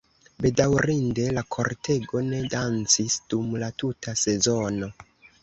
Bedaŭrinde, la kortego ne dancis dum la tuta sezono.